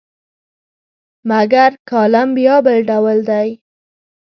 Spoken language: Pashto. مګر کالم بیا بل ډول دی.